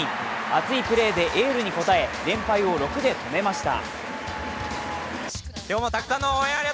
熱いプレーでエールに応え連敗を６に止めました。